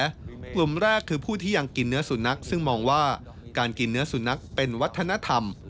กลุ่มแรกคือผู้ที่ยังกินเนื้อสุนัขซึ่งมองว่าการกินเนื้อสุนัขเป็นวัฒนธรรม